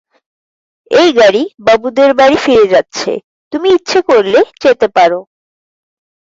এই গাড়ি বাবুদের বাড়ি ফিরে যাচ্ছে, তুমি ইচ্ছে করলে যেতে পারো।